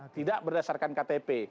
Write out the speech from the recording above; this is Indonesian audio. tidak berdasarkan ktp